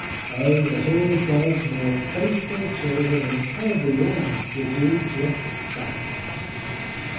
Oh, that all God's more favored children in every land would do just THAT.